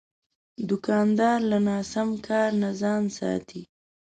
دوکاندار له ناسم کار نه ځان ساتي.